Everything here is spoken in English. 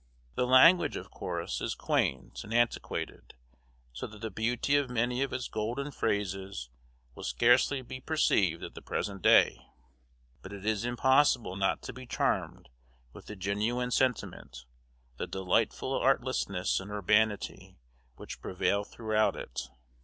The language, of course, is quaint and antiquated, so that the beauty of many of its golden phrases will scarcely be perceived at the present day, but it is impossible not to be charmed with the genuine sentiment, the delightful artlessness and urbanity, which prevail throughout it.